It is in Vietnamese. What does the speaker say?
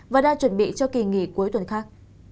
và đang chuẩn bị cho kỳ nghỉ cuối tuần khác